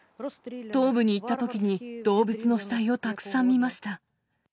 東部に行ったときに、動物の死体をたくさん見ました。